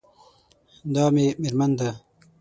دا مې میرمن ده